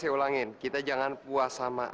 saya ulangin kita jangan puas sama